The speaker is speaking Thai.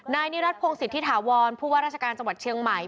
นายนิรัทภงศิษย์ที่ถาวรผู้ว่าราชการจังหวัดเชียงใหม่